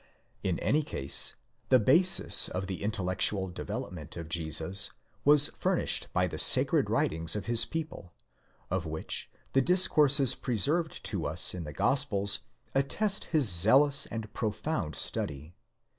In any case, the basis of the intellectual development of Jesus was furnished by the sacred writings of his people, of which the discourses preserved to us in the Gospels attest his zealous and profound study.